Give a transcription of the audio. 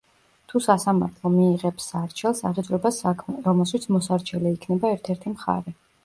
თუ სასამართლო მიიღებს სარჩელს, აღიძვრება საქმე, რომელშიც მოსარჩელე იქნება ერთ–ერთი მხარე.